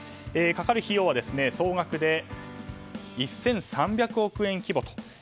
かかる費用は総額で１３００億円規模と。